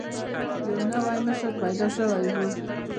یو نوی مشر پیدا شوی وو.